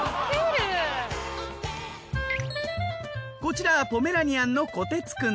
こちらポメラニアンのコテツくん。